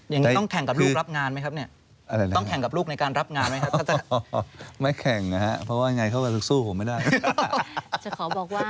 อย่างนี้ต้องแข่งกับลูกรับงานไหมครับ